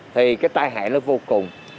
thì cái tai hại nó vô cùng